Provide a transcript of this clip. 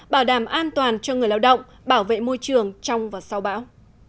bảo đảm an toàn cho người lao động bảo vệ môi trường trong và sau bão